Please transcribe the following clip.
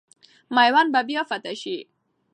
میوند به بیا فتح سي.